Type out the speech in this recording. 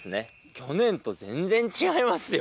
去年と全然違いますよ